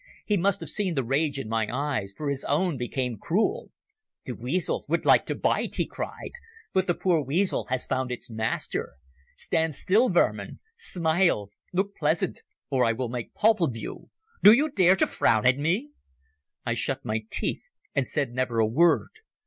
He must have seen the rage in my eyes, for his own became cruel. "The weasel would like to bite," he cried. "But the poor weasel has found its master. Stand still, vermin. Smile, look pleasant, or I will make pulp of you. Do you dare to frown at me?" I shut my teeth and said never a word.